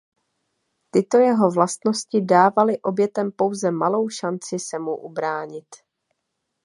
Tyto jeho vlastnosti dávaly obětem pouze malou šanci se mu ubránit.